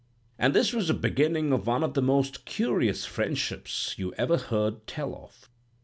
And this was the beginning of one of the most curious friendships you ever heard tell of.